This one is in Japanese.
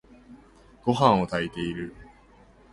ごはんを炊いている。